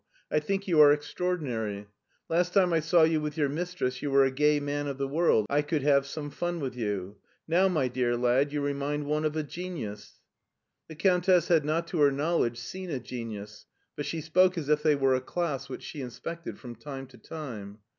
I think you are ex SCHWARZWALD 275 traordinary. Last time I saw you with your mistress you were a gay man of the world. I could have some fun with you. Now, my dear lad, you remind one of a genius. The Countess had not, to her knowledjg^e, seen a genius, but she spoke as if they were a class which she inspected from time to time.